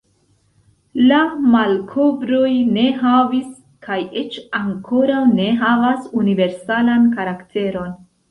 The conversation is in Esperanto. La malkovroj ne havis, kaj eĉ ankoraŭ ne havas, universalan karakteron.